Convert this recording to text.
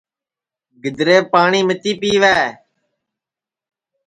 گِدریپ پاٹؔی متی پِیوے